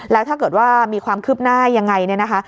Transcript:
แล้วถ้าเกิดว่ามีความคืบหน้ายังไงเนี่ยนะคะ